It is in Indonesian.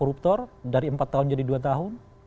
koruptor dari empat tahun jadi dua tahun